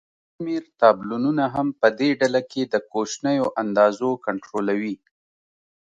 یو شمېر شابلونونه هم په دې ډله کې د کوچنیو اندازو کنټرولوي.